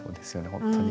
本当に。